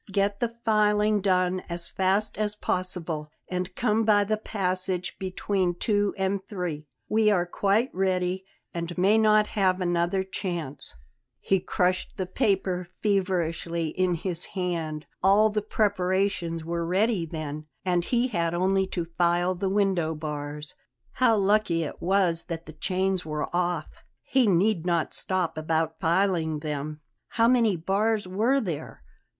Get the filing done as fast as possible, and come by the passage between two and three. We are quite ready and may not have another chance." He crushed the paper feverishly in his hand. All the preparations were ready, then, and he had only to file the window bars; how lucky it was that the chains were off! He need not stop about filing them. How many bars were there?